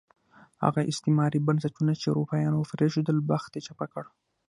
هغه استعماري بنسټونه چې اروپایانو پرېښودل، بخت یې چپه کړ.